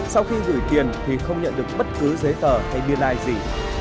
sau khi rủi tiền thì không nhận được bất cứ giấy tờ hay biên ai gì